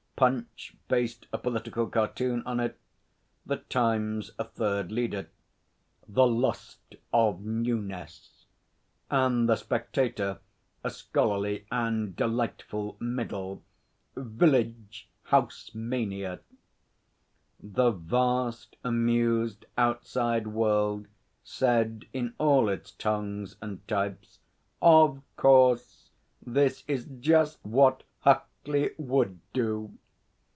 Punch based a political cartoon on it; the Times a third leader, 'The Lust of Newness'; and the Spectator a scholarly and delightful middle, 'Village Hausmania.' The vast amused outside world said in all its tongues and types: 'Of course! This is just what Huckley would do!'